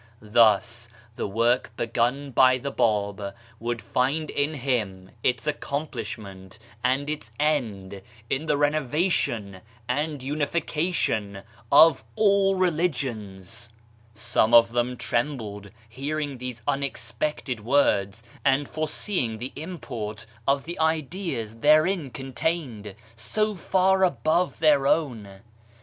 Thus, the work begun by the Bab would find in him its accomplish ment and its end in the renovation and unification of all religions ! Some of them trembled hearing these unexpected words and foreseeing the import of the ideas therein contained, so far above their own.